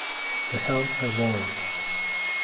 The hell I won't.